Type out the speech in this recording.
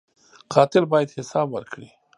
قاتل باید حساب ورکړي